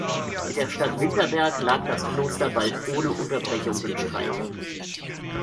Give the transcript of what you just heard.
Mit der Stadt Winterberg lag das Kloster bald ohne Unterbrechung im Streit.